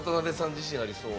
自信ありそう。